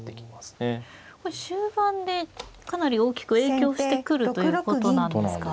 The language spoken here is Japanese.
これ終盤でかなり大きく影響してくるということなんですか。